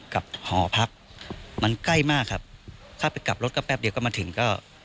หอพักมันใกล้มากครับถ้าไปกลับรถก็แป๊บเดียวก็มาถึงก็